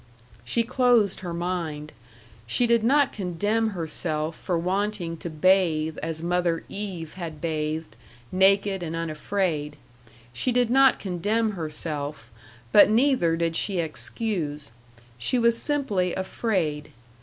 She closed her mind. She did not condemn herself for wanting to bathe as Mother Eve had bathed, naked and unafraid. She did not condemn herself but neither did she excuse. She was simply afraid.